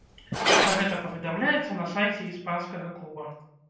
Пра гэта паведамляецца на сайце іспанскага клуба.